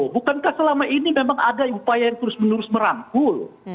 bukankah selama ini memang ada upaya yang terus menerus merangkul